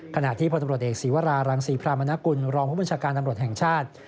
ขณะที่พลตำรวจเอกศีวรารังศรีพรามนกุลรองผู้บัญชาการตำรวจแห่งชาติ